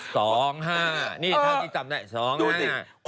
สองห้านี่ท่าที่จำได้ออกสิ